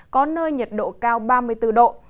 có nơi nhiệt độ cao ba mươi bốn độ